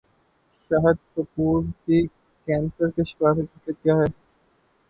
شاہد کپور بھی کینسر کے شکار حقیقت کیا ہے